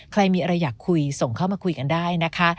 ใครมีอะไรอยากคุยส่งเข้ามาคุยกันได้นะคะ